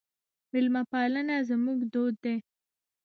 میلمه پالنه زموږ دود دی.